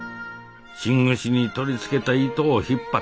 芯串に取り付けた糸を引っ張ってほれほれ